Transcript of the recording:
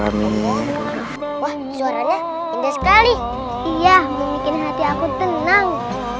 iya membuat hati aku tenang